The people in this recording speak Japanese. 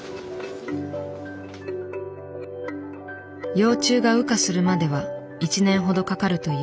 幼虫が羽化するまでは１年ほどかかるという。